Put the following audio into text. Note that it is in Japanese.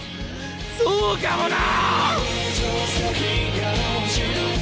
そうかもな‼